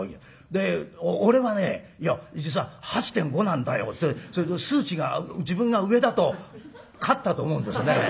で「俺はねいや実は８．５なんだよ」って数値が自分が上だと勝ったと思うんですね。